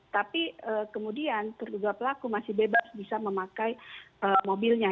tapi kemudian terduga pelaku masih bebas bisa memakai mobilnya